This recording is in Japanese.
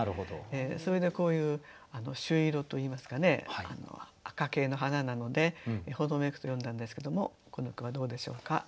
それでこういう朱色といいますかね赤系の花なので「炎めく」と詠んだんですけどもこの句はどうでしょうか？